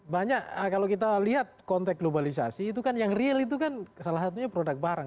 banyak kalau kita lihat konteks globalisasi itu kan yang real itu kan salah satunya produk barang